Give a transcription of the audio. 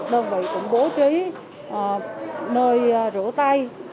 đơn vị cũng bố tractory để các đơn vị tập trung làm tốt công tác